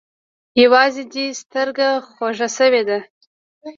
يوازې دې سترگه خوږ سوې ده.